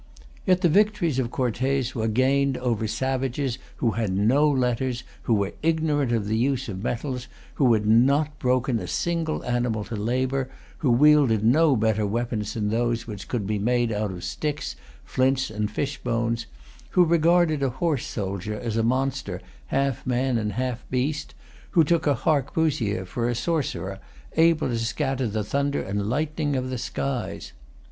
Yet the victories of Cortes were gained over savages who had no letters, who were ignorant of the use of metals, who had not broken in a single animal to labour, who wielded no better weapons than those which could be made out of sticks, flints, and fish bones, who regarded a horse soldier as a monster, half man and half beast, who took a harquebusier for a sorcerer, able to scatter the thunder and lightning of the skies.